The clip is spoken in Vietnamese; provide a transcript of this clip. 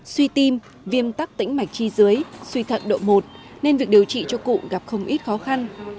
suy tim viêm tắc tĩnh mạch chi dưới suy thận độ một nên việc điều trị cho cụ gặp không ít khó khăn